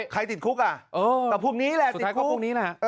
ใครติดคุกอ่ะแต่พรุ่งนี้แหละติดคุก